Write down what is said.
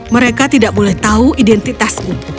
mereka tidak boleh tahu identitasnya